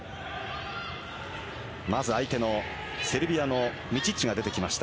まず相手のセルビアのミチッチが出てきました。